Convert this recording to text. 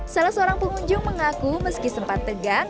salah seorang pengunjung mengaku meski sempat tegang